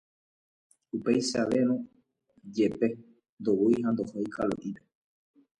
Upeichavérõ jepe ndoúi ha ndohói Kalo'ípe.